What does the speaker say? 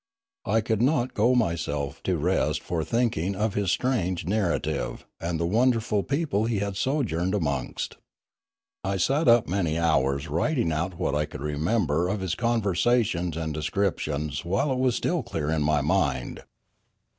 I could not go myself to rest for thinking of his strange nar rative and the wonderful people he had sojourned amongst. I sat up many hours writing out what I could remember of his conversations and descriptions while it was still clear in my mind.